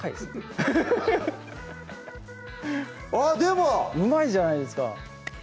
フフッあっでもうまいじゃないですか